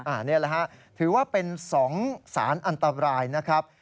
อันนี้แหละฮะถือว่าเป็น๒สารอันตรายนะครับ